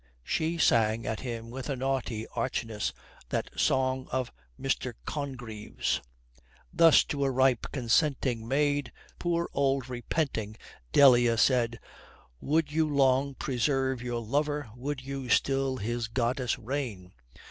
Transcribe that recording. She sang at him with a naughty archness that song of Mr. Congreve's: "Thus to a ripe consenting maid, Poor old repenting Delia said, Would you long preserve your lover? Would you still his goddess reign?